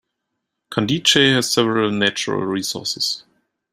Candijay has several natural resources.